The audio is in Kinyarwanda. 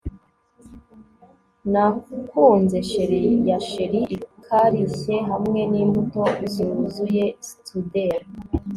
nakunze cheri ya cheri ikarishye hamwe nimbuto zuzuye strudel